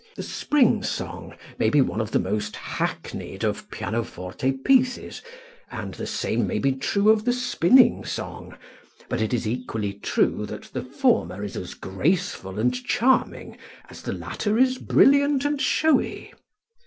The "Spring Song" may be one of the most hackneyed of pianoforte pieces and the same may be true of the "Spinning Song," but it is equally true that the former is as graceful and charming as the latter is brilliant and showy.